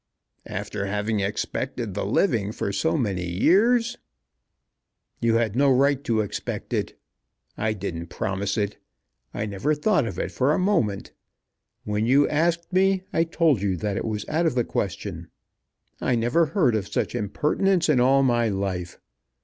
"After having expected the living for so many years!" "You had no right to expect it. I didn't promise it. I never thought of it for a moment. When you asked me I told you that it was out of the question. I never heard of such impertinence in all my life.